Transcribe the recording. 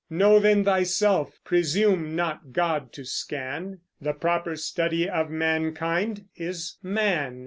Know then thyself, presume not God to scan; The proper study of Mankind is Man.